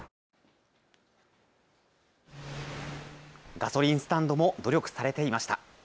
ガソリンスタンドも努力されていました。